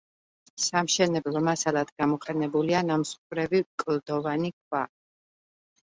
სამშენებლო მასალად გამოყენებულია ნამსხვრევი კლდოვანი ქვა.